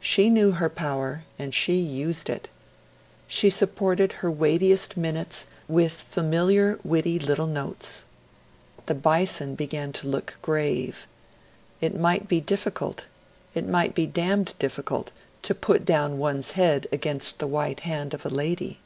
She knew her power, and she used it. She supported her weightiest minutes with familiar witty little notes. The Bison began to look grave. It might be difficult it might be damned difficult to put down one's head against the white hand of a lady